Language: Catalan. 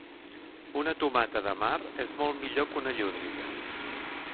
Una tomata de mar és molt millor que una llúdriga